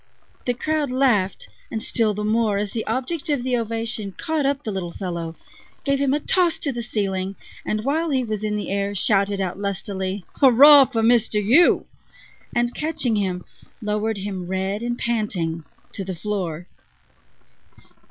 The crowd laughed, and still the more as the object of the ovation caught up the little fellow, gave him a toss to the ceiling, and, while he was in the air, shouted out lustily: "Hurrah for Mister You!" and, catching him, lowered him, red and panting, to the floor.